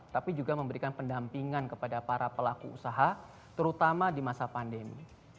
tapi juga memberikan pendampingan kepada para pelaku usaha terutama di masa pandemi